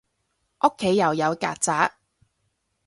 屋企又有曱甴